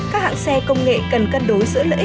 các hãng xe công nghệ cần cân đối giữa lợi ích